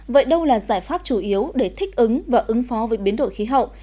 vậy đâu là giải pháp chủ yếu để thích ứng và ứng phó với biến đổi khí hậu